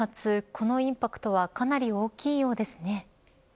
このインパクトはかなり大きいようですね。